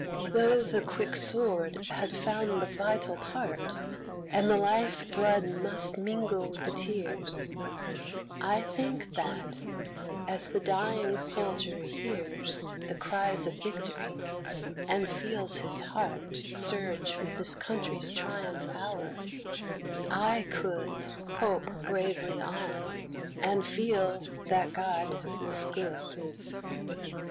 Though the quick sword had found the vital part, And the life blood must mingle with the tears, I think that, as the dying soldier hears The cries of victory, and feels his heart Surge with his country's triumph hour, I could Hope bravely on, and feel that God was good.